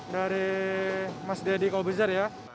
dari mas deddy kalau besar ya